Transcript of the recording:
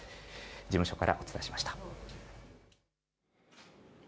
事務所からお伝えしました。